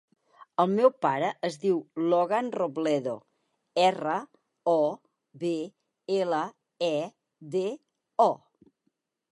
El meu pare es diu Logan Robledo: erra, o, be, ela, e, de, o.